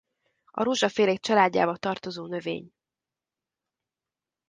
A rózsafélék családjába tartozó növény.